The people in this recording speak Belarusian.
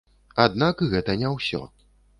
Аднак гэта не ўсё.